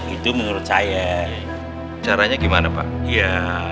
itu menurut saya caranya gimana pak